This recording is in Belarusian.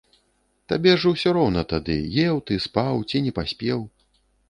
Табе ж усё роўна тады, еў ты, спаў ці не паспеў.